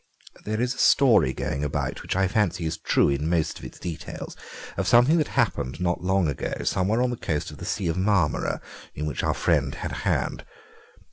"There is a story going about, which I fancy is true in most of its details, of something that happened not long ago somewhere on the coast of the Sea of Marmora, in which our friend had a hand.